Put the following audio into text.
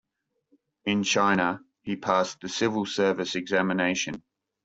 In China, he passed the civil-service examination.